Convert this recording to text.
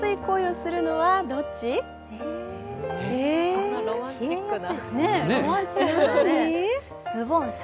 そんなロマンチックな。